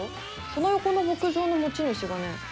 その横の牧場の持ち主がね